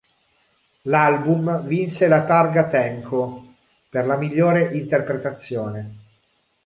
L'album vinse la Targa Tenco, per la migliore interpretazione.